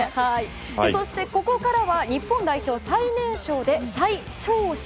そして、ここからは日本代表最年少で最長身。